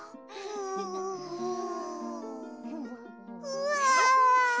うわ！